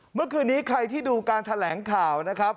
เมื่อคืนนี้ใครที่ดูการแถลงข่าวนะครับ